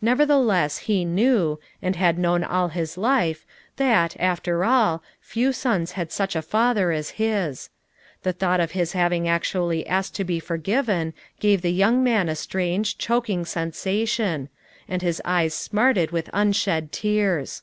Nevertheless he knew, and had known all his life that, after all, few sons had such a father as his; the thought of his having actually asked to be forgiven gave the young man a strange, choking sensation; and his eyes smarted with unshed tears.